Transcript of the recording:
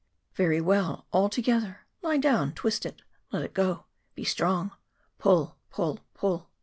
Very well ; all together ; Lie down ; twist it ; Let it go. Be strong, pull, pull, pull.